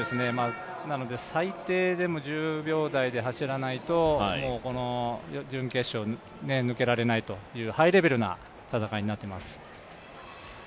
なので最低でも１０秒台で走らないと、この準決勝、抜けられないというハイレベルな戦いになってます。